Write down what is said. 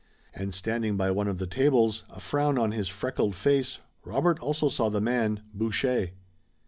And standing by one of the tables, a frown on his freckled face, Robert also saw the man, Boucher.